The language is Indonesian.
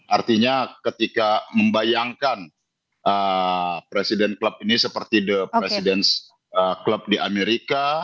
artinya ketika membayangkan presiden klub ini seperti the president club di amerika